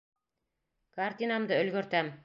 Картинамды өлгөртәм.